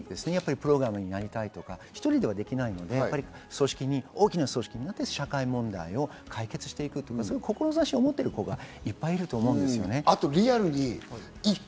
プログラマーになりたいとか、１人ではできないので、組織に大きな組織になって社会問題を解決していくとか、そういう志を持ってる子はいっぱいいると思います。